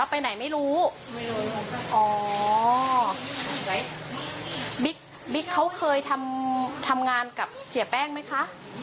ป้าไม่รู้หรอกเคยไม่รู้